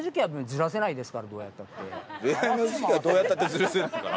出会いの時期はどうやったってずらせないから。